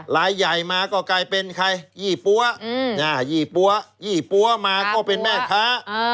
ลายใหญ่มาก็กลายเป็นใครยี่ปั๊วยี่ปั๊วยี่ปั๊วมาก็เป็นแม่ค้า